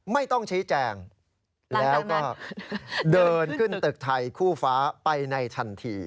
ไม่ต้องชี้แจงแล้วก็เดินขึ้นตึกไทยคู่ฟ้าไปในทันที